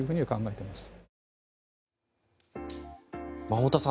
太田さん